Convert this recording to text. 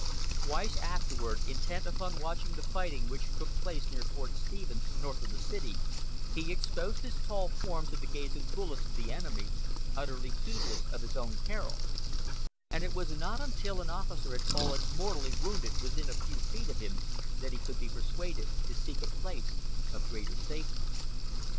Twice afterward, intent upon watching the fighting which took place near Fort Stevens, north of the city, he exposed his tall form to the gaze and bullets of the enemy, utterly heedless of his own peril; and it was not until an officer had fallen mortally wounded within a few feet of him, that he could be persuaded to seek a place of greater safety.